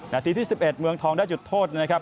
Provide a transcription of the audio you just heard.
นาทีที่๑๑เมืองทองได้จุดโทษนะครับ